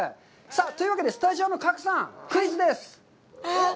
というわけでスタジオの賀来さん、クイズです。